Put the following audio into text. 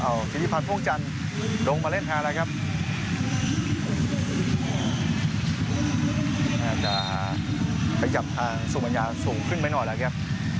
อ่าจะไปจับทางสุบัญญาสูงขึ้นไปหน่อยละครับ